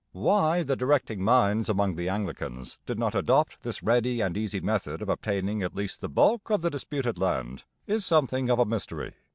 Why the directing minds among the Anglicans did not adopt this ready and easy method of obtaining at least the bulk of the disputed land is something of a mystery.